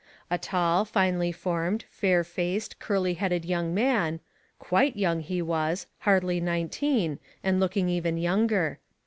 A tall, finely formed, fair faced, curly headed young man — quite young he was, hardly nineteen, and looking even younger.